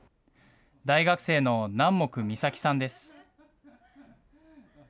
大学生の南木美咲さんです。